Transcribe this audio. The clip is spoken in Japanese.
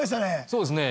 そうですね。